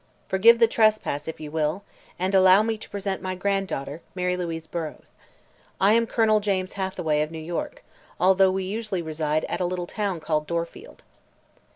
Forgive the trespass, if you will, and allow me to present my granddaughter, Mary Louise Burrows. I am Colonel James Hathaway, of New York, although we usually reside at a little town called Dorfield."